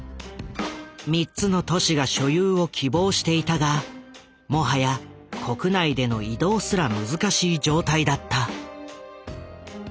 ３つの都市が所有を希望していたがもはや国内での移動すら難しい状態だった。